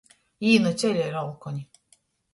Jī nu ceļa ir olkoni.